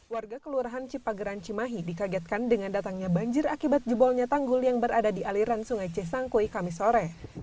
warga kelurahan cipageran cimahi dikagetkan dengan datangnya banjir akibat jebolnya tanggul yang berada di aliran sungai cesangkui kami sore